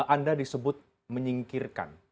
anda disebut menyingkirkan